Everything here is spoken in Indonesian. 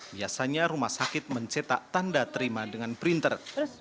biasanya rumah sakit mencetak tanda terima dengan printer